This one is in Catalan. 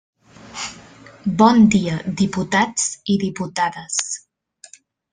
Bon dia, diputats i diputades.